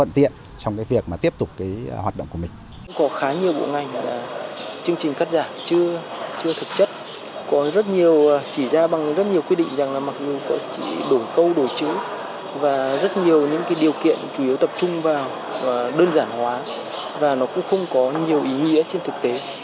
và rất nhiều những điều kiện chủ yếu tập trung vào và đơn giản hóa và nó cũng không có nhiều ý nghĩa trên thực tế